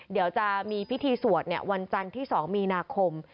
เดี๋ยวจะมีพิธีสวดวันจันทร์ที่๒มีนาคม